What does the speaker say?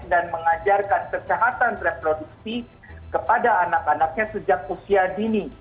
mengajarkan kesehatan reproduksi kepada anak anaknya sejak usia dini